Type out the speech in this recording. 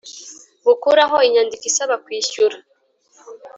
bukuraho inyandiko isaba kwishyura